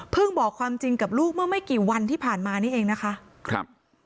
บอกความจริงกับลูกเมื่อไม่กี่วันที่ผ่านมานี่เองนะคะครับ